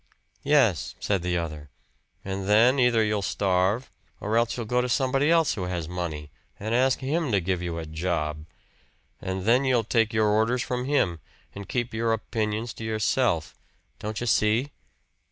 "Yes," said the other "and then either you'll starve, or else you'll go to somebody else who has money, and ask him to give you a job. And then you'll take your orders from him, and keep your opinions to yourself. Don't you see?"